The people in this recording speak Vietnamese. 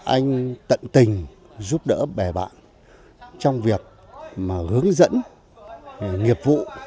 anh tận tình giúp đỡ bè bạn trong việc mà hướng dẫn nghiệp vụ